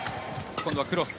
今度はクロス。